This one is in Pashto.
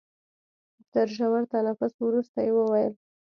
تر ژور تنفس وروسته يې وويل.